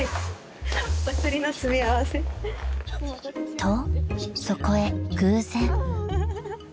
［とそこへ偶然］